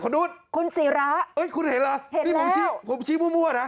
คุณสีระเอ้ยคุณเห็นเหรอเห็นแล้วนี่ผมชี้ผมชี้มั่วมั่วนะ